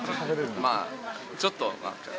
まあちょっと。